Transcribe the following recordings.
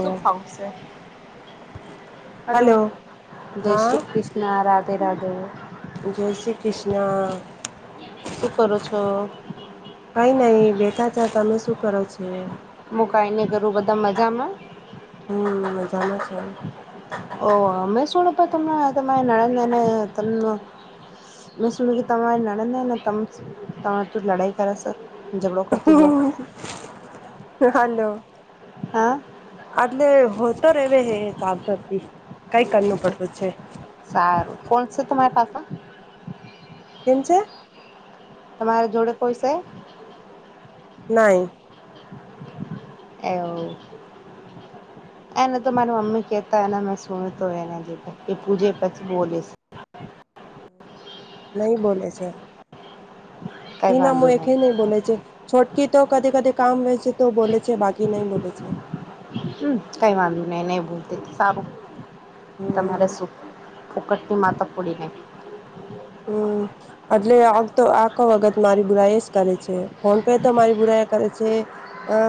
Soup how છે. Hello. જય હા શ્રી કૃષ્ણ રાધે રાધે. જય શ્રી કૃષ્ણ શું કરો છો. કઈ નઈ બેઠા ત તમે શું કરો છો. મુકઈને કરરું બધા મજામાં. સાલ છે. ઓહ અમે શુંડપ તમને તમારે નડંદને તમને. મેસ ત લડંદાને ત તું લડાઈ કરશે. હાલો. હા. આટલે હો તો રે હે ચતર કઈ કર પડવું છે. સારું કોણસે તુમ પાસે હ. તેમમજ. તમારા જોડે કોઈ છે. નાહી. એવ. એને તો મારી મમ્મી કહેતાને મેં સુણ્યું તો એને લી એ પૂજે પછી બોલીશ. [inaudible] નહી બોલે છે કઈ તી નામ વાંધો એકે નહી બોલે છે છોટકી તો કદી કદી કામ વસે તો બોલે છે બાકી નહી બોલે છે છેી હમ કઈ વાંધ ને નહી ભૂલતી સારું તમારે હમ સુ ફોકટની માતા પડીને હમ એટલે આમ તો આખો વખત મારી બુરાઈ એ જ કરે છે ફોન પે તો મારી બુરાયા કરે છે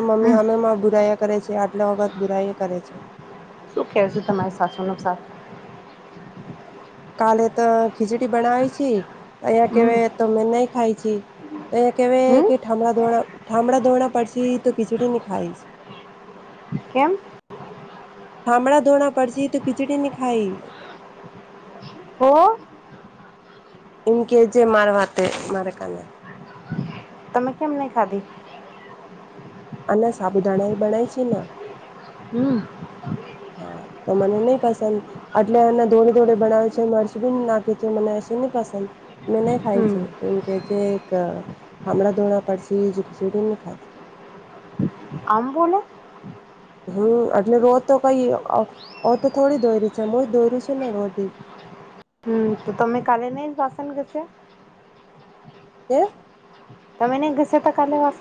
મમ્મી હમ હમે બુરાયા કરે છે જે આટલા વખત બુરાઈ કરે છે શું કેશ તમારી સાસો નુકસાથ કાલે તો ખીચડી બનાવે છે અહીિયાં હમ કેવાય તોમે નહી ખાય છે તો અહીંયા કહેવાય હમ કે થામડા ધોણા થામડાં ધોણાં પડશે તો ખીચડી ન ખાયશ કેમ થંામડા ધોણા પડશે તો ખિચડી ન ખાઈ હો ન કે જે માવાથે માેક તમે કેમ નહી ખાધી આના સાબુદાણા એ બણાય છે ને હમ હા તો મને નહી પસંદ એટલે એને દોડે દોડે બનાવે છે મરચ બી નાખે છે મને પ નહી ખાય હમ છે એમ કે છે એક થામડા ધોણા પડ જડીને ખા આમ બોલો હમ એટલે રોજ તો કઈ ઓ તો થોડી દોરી છે હું જ દોરું છું ને રો હમ તો તમે કલે નહી જ વાસંદ ગસે કે્યા તમેને ગસે તો કાલે વાસ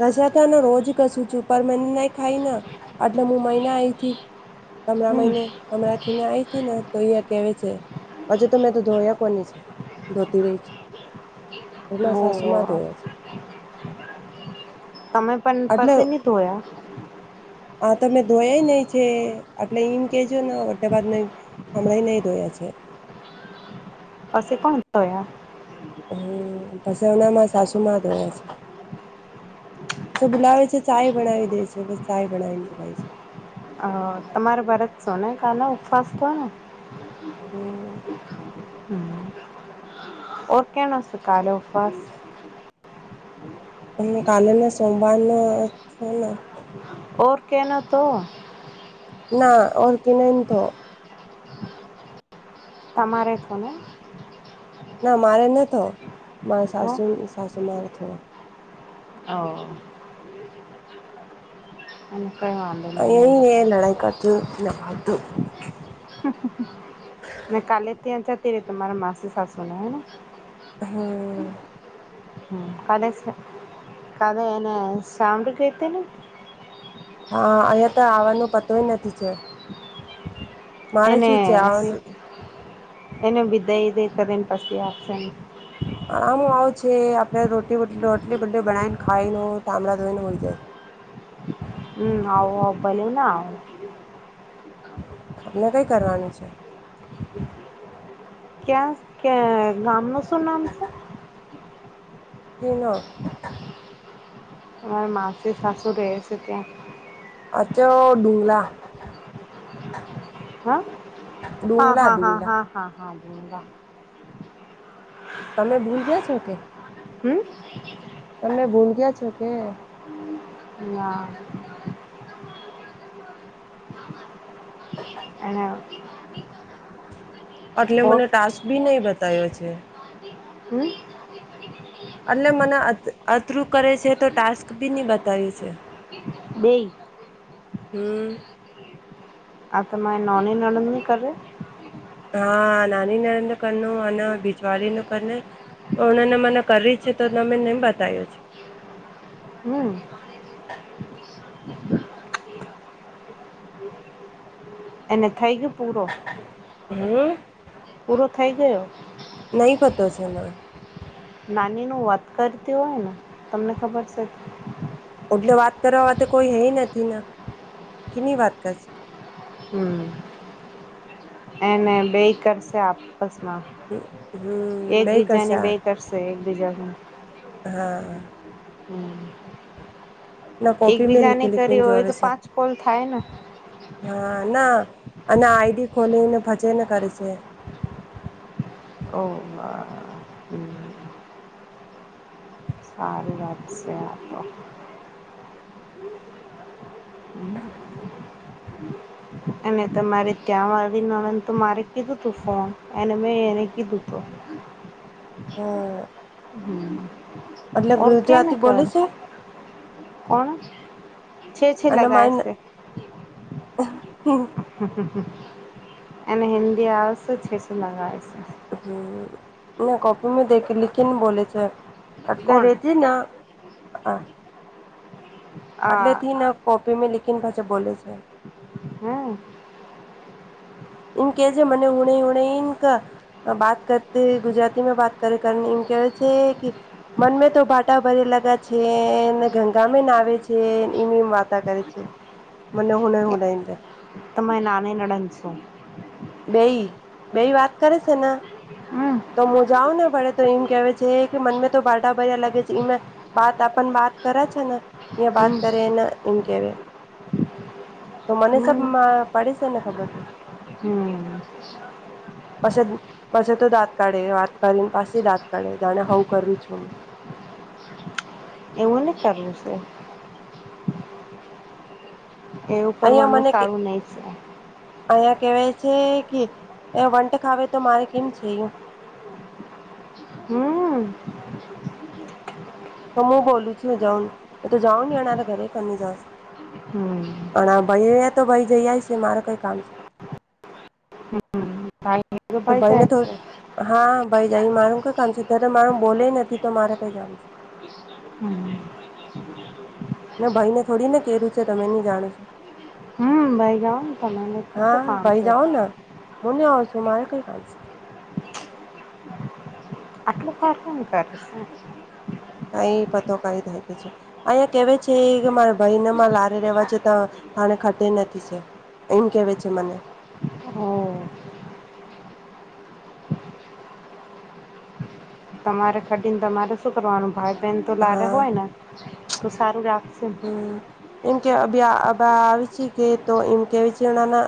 ઘસ્યા ત ને રોજ કસું છું પણ મને ન ખાઈ ને એટલે હું મહિના આઈથી કમરા મયને હમ કમરા થી આઈથી ને તો અહિયાં કેવા છે હજુ તોમેં તો ધોયા કોની છે ધોતી રહી છે એસા સમાધ ઓહો તમે પણ પસે ન ધોયા આા તો મેં ધોયાય નહ છે એટલે એઈમ કેજો ને બા ભાદ હણા એ નહી ધોયા છે અછ કોણ હમ પછ ઓનામાં સાસુમાં ધયા છે બુલાવે છે ચાય બનાવી દે છે બ ચાય બનાવીને બલાવી છે અ તમારે બરત સો ને કાના ઉપવાસ તો ને હમ ઓકેણ સુખાલ ઓફ કાલે ને સોમવારનો છેને ઓર કેના તો ના ઓર કે ન તો તમાામરે તને ના મારે ન થ મારે તો સાસુ સાસુ મારે થું હ કઈ વાંધો અ નહી નહી લડાઈકા તોું નાભા તોું મે કાલે ત તેરે તમારા માસી સાસુ ના હે હમ ક ક એને સામળ ક તેને હા અહિયાંયા તો આવવાનો પતોય નથી છે મારે એને શું છે આવવાનું એને બિદાય દ કરીને પછી આપશે ને આમ આવ આપણે રોલી રોટલી બટલી બનાવીને ખાઈને તામડા ધોઈને હોય જાય. હમ આવું ભલે ના. આપમને કંઈ કરવાનું છે. ક્યા ગામ ન શું નામ છે. તીન [unintelligible] અર માસે શશું રહે છે ત્યાં અચછા ડુંગલા હ હા ડુંગલા હા હા ડુંગલા હા હા હા. તમે ભૂલ ગયા છો કે‌. હમ‌. તમે ભૂલ ગયા છો કે. ના. અને. એટલે મને ટાસ્ક બી નહી બતાવયો છે. હમ. એટલે મને અતરું કરે છે તો ટાસ્ક બી નહી બતાય છે. બલ હમ. હા તો મા એ નોની નણંદની કર હા નાની નરમ નું કર ન અને ભીજવાળ નું કર. તોણને મને કરી છે તો તમે નેમ બતાવ્યું છે. હમ્ [unintelligible] એ થાયગ પૂરો [unintelligible] હમ. પૂરો થઈ ગયો. નહી પતો છેના નાની ન વાત કરતી હોય ને તમને ખબર છે. એટલે વાત કરવા વા કોઈ હે નથી ના કેની વાત કરશ. હમ. એને બે કરશે આપ સમાં હમ બે એકબીજાને કરશે બે કરશે એકબીજાને. હા. હમ ના કોપી મે એકબીજાને લિખી કરી લિખી હોય જોવે તો છે. પાંચ કોલ થાય ને હા ના અને આઈડી ખોલીને ભજેને કરી છે. ઓ વાદશે આ તો અને તમારે ત્યાં વાળી નને તો મારે કીધું તું ફોન અને મેં એને કીધું હતું. [inaudible] હા. એટલે હ ઓર કેને ગુજરાતી કર બોલે છે કોણ છ છ લગાશે હ હમ [unintelligible] એને હિન્દી આવશે છેસ લગ છે. હમ ના કપી મે દ લખીને બોલે છે. અટલે ર કોણ છે ના હ આ અટલેથી ના કોપીમાં લકન ભાજા બોલે છે. હમ ન કે જે મને હણે હોણે ન બાત કરતી ગુજરાતી મે બાત કરે કર. કે છે કે મનમે તો બાટા ભરે લગા છે ને ગંગામે ના આવે છે. એમી માતા કર છે મને હુન [unintelligible] તમારી નાની નળન શું બેઈ બેઈ વાત કરે છે ને હમ તો મુ જાવુ ને ભાડે તો એમ કેવા છે કે મનમે તો બારટા ભર્યા લાગે છે એ વાત આપ બાત કરે છે ને ને બાત હમ કરેને એમ કેવાય તો મને સાબ હમ પડી છે ને ખબર છે. અચ્છા પછ પછ તો દાંત કાઢે વાત કરીને પાસે દાંત કાઢે જાણે હું કરું છું અમે એવું નહી ચાલુ છે. એવું કરવાનું સારું નઈ છે. અહયા કેવાય છે કે વંટ ખાવે તો મારે કેમ છે એ હમ તો હું બોલું છું જાઉન તો જાઉ એના ઘરે કની જા હમ હ ભાઈ તો ભાઈ જઈ આય છે મારે કઈ કામ છે. હમ તો ભાઈને તો હા ભાઈ જાય મારું કઈ કામ છે અયારે મારું બોલે નથી તો મારે કઈ જામ છે. હમ એના ભાઈને થોડી ને કેરું છે તમે નહી જાણ હમ ભાઈ જાઉ તમેને પૂછો કામ છે. જાઓ ને હું ન આવ છું મારે કઈ ખંશે [unintelligible] કઈ પતો કઈ થાય કે છે અહીંયા કેવા છે કે મારા ભાઈનેમાં લારે રવા જતા પાણે ખટે નથી છે એમ કેવે છે મને હ તમારે ખટીને તમારે શું કરવાનું ભાઈ બહેન તો લારે હા હોય ને તો સારું લાગ છે. આવે છે કે એમ કેવા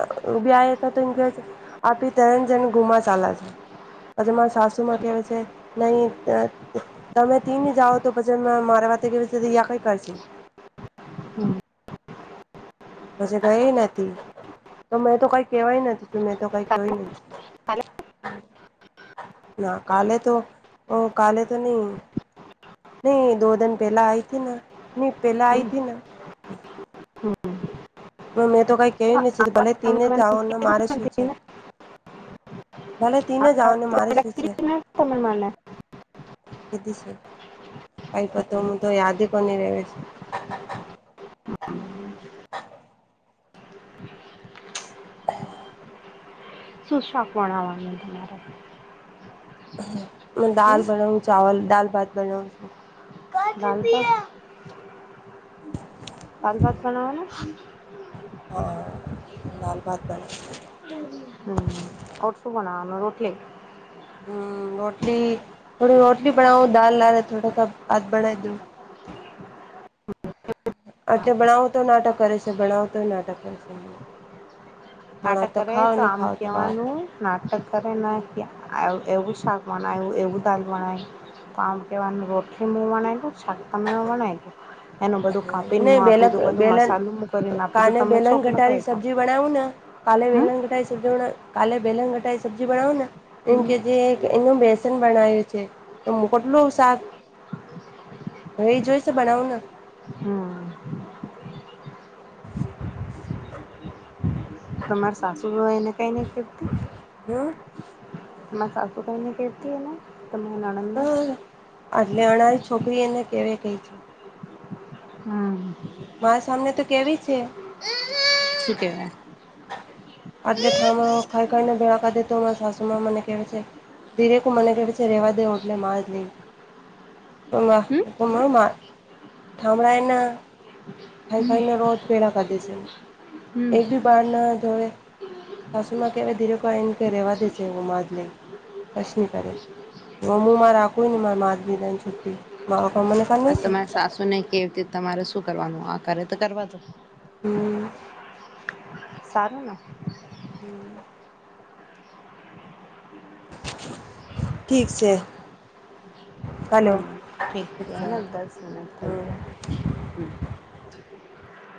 છે એ ઉભા હતા તો એમ કેવા છે. આપી તરણ જણ ગુમા ચાલા છે. પછી મારા સાસુ માં કેવા છે નહી તમે તીને જાઓ તો પછી મારા [unintelligible] પછી કઈ નથી તો મેં તો કઈ કેવાય નથી છું મેં તો કઈ કેય નથી [inaudible] ના કાલે તો કાલે તો નહી નહી દો દન પેલા આઈથી ન પેલા આઈથી ના મેં તો કઈ કેય્યું નને ભલે તમે તીને જો મને ને કીધું મારે શું પણ છે. ભલે તીને જ આવને મારે શું છે. તમે મને કીધી છે કઈપત હ તો યાદ કોની રેવે છે. સુુંશાક વણવાનું તમારે હમ દાલ બનાવું ચાવલ દાલ ભાત બનાવું છું કાલભત બનાવનું હ લાલ ભાત બને હમ ઓર શું બનાવાનું રોટલી હમ રોટલી થોડી રોટલી બનાઓ દાલ લ થોડાસા આથ બના દઉ આટલે ભણાવું તો નાટક કરે છે ભણાવું તો નાટક કરે છે. નાટક ખાણા કરે ખાઓ તો ને આમ ખાઓ વાત કવાનું નાટક કરે ના ક આ એવું શાક બનાય એવું દાાલ બનાય કમ કેવા રોટલી મુું બનાઈ વુ શાક તો બના છે. એનું બધું કાપીને ને આપી બેલક હતું બધું બેલન મસાલું કરીને આપી તું કાને તમે બેલન ચોક લખ તો કઈ ગટારી દો સબ્જી બનાવું ને કાલે હમ વેલણ કટાઈ સજ કાલે વલણ કટાઈ સબ્જી બનાાવો ને એમ કે જે હમ એ બે છે તોું કેટલું સાક હહી જોઈ છે બનાવને તમારે સાસુ એને કઈ નહ કતી હમ સ આસુ કને કતી હ ને તમારા નણંદને હા આટલે અનારી છોકરી એને કેવી કઈ છે હમ મારા સામને તો કેવી છે શ કેવાય આટલે ઠા ખાઈ ખાઈને ભેળકા દેતો સાસુ માં મને કે છે ધીરેક મને કર છે રેવા દે ઓઠલે માજ ન હમ બંગ કોરો મા થામડાયના ખાઈ ખાઈને રોજ પેળા ક દે છે હમ એક બી બાર ના જોવે સાસુમા કેવાય ધીરે ક આઈન કે રહેવા દે છે હું માજ લે કછ ન કરે હમું મા રાખું ન મા મા બીા ને છુ મારો કામ મને આ કરનું છે તમારે સાસુ નને કેવીીતે તમારે શું કરવાનું આ કરે તો કરવા દ હમ સારુંના હમ ઠીક છે હમ હલો ઠીકના અચ્છા દસ મ થ હમ હ